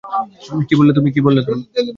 কী বললে তুমি?